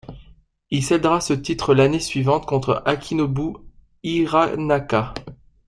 Il cèdera ce titre l'année suivante contre Akinobu Hiranaka.